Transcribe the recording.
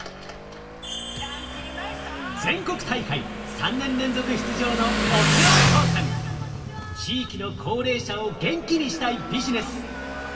全国大会３年連続出場の地域の高齢者を元気にしたいビジネス。